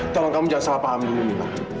tolong kamu jangan salah paham dulu mi